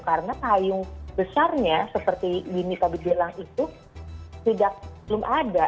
karena payung besarnya seperti bini tadi bilang itu belum ada